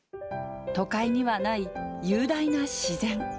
都会にはない雄大な自然。